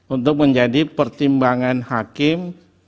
untuk menjadi pertimbangan hakim